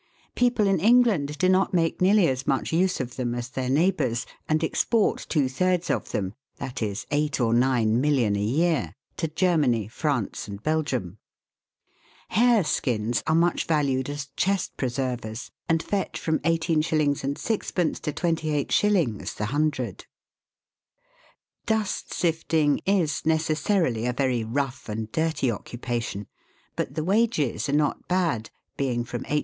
People in England do not make nearly as much use of them as their neighbours, and export two thirds of them that is eight or nine million a year to Germany, France, and Belgium. Hare skins are much valued as chest preservers, and fetch from i8s. 6d. to 285. the hundred. Dust sifting is necessarily a very rough and dirty occu pation, but the wages are not bad, being from 8s.